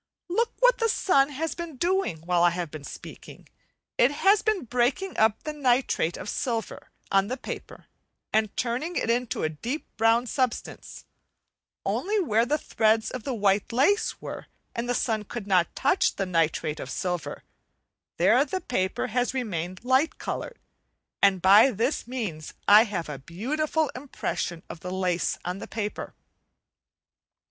Look what the sun has been doing while I have been speaking. It has been breaking up the nitrate of silver on the paper and turning it into a deep brown substance; only where the threads of the lace were, and the sun could not touch the nitrate of silver, there the paper has remained light coloured, and by this means I have a beautiful impression of the lace on the paper.